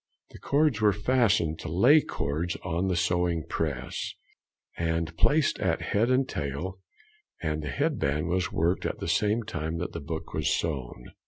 The cords were fastened to lay cords on the sewing press, and placed at head and tail, and the head band was worked at the same time that the book was sewn.